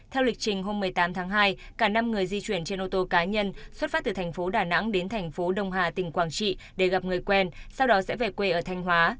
theo lịch trình hôm một mươi tám tháng hai cả năm người di chuyển trên ô tô cá nhân xuất phát từ thành phố đà nẵng đến thành phố đông hà tỉnh quảng trị để gặp người quen sau đó sẽ về quê ở thanh hóa